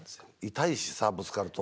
痛いしさぶつかると。